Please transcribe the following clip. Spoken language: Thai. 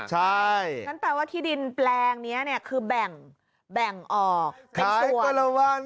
ใช่นั้นแปลว่าที่ดินแปลงเนี้ยเนี้ยคือแบ่งแบ่งออกขายคนละวัน